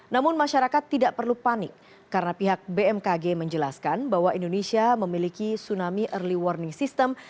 namun masyarakat tidak perlu panik karena pihak bmkg menjelaskan bahwa indonesia memiliki tsunami early warning system